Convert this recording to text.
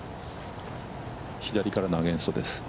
左からのアゲインストです。